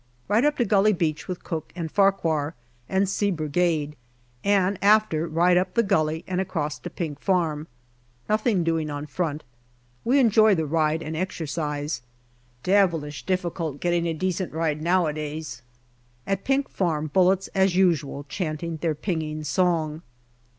Ride up to Gully Beach with Cooke and Farquhar and see Brigade, and after, ride up the gully and across to Pink Farm. Nothing doing on front. We enjoy the ride and exercise. Devilish difficult getting a decent ride nowa days. At Pink Farm, bullets as usual chanting their pinging song.